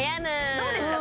どうですか？